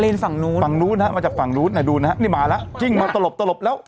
ฝั่งนู้นฝั่งนู้นนะฮะมาจากฝั่งนู้นน่ะดูนะฮะนี่มาแล้วจิ้งมาตลบตลบแล้ว